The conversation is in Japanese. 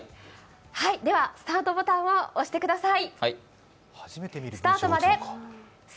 ではスタートボタンを押してください。